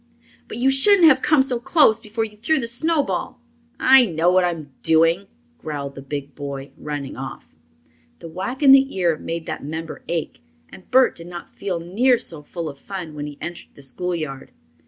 "But you shouldn't have come so close before you threw the snowball." "I know what I'm doing," growled the big boy, running off. The whack in the ear made that member ache, and Bert did not feel near so full of fun when he entered the schoolyard.